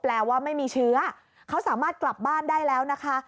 แปลว่าไม่มีเชื้อเขาสามารถกลับบ้านได้แล้วนะคะ